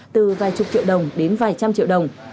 từ vài chục triệu đồng đến vài trăm triệu đồng